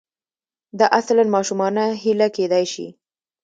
دا اصلاً ماشومانه هیله کېدای شي.